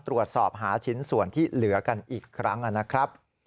ตรวจสอบหาชิ้นส่วนที่เหลือกันอีกครั้งนะครับ